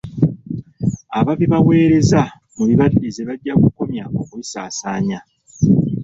Ababibaweereza mu bibaddize bajja kukomya okubisaasaanya.